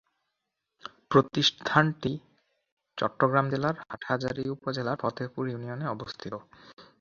প্রতিষ্ঠানটি চট্টগ্রাম জেলার হাটহাজারী উপজেলার ফতেপুর ইউনিয়নে অবস্থিত।